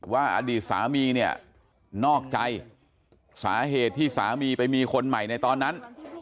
อดีตสามีเนี่ยนอกใจสาเหตุที่สามีไปมีคนใหม่ในตอนนั้น